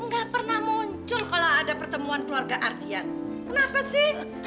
gak pernah muncul kalau ada pertemuan keluarga ardian kenapa sih